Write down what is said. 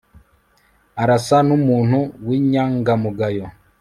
arasa numuntu winyangamugayo